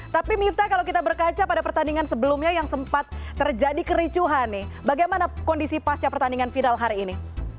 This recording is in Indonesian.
tapi mifta kalau kita berkaca pada pertandingan sebelumnya yang sempat terjadi kericuhan nih bagaimana kondisi pasca pertandingan final hari ini